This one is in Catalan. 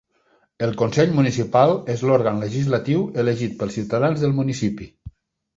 El Consell Municipal és l'òrgan legislatiu elegit pels ciutadans del municipi.